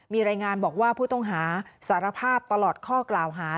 มีรายงานบอกว่าผู้ต้องหาสารภาพตลอดข้อกล่าวหา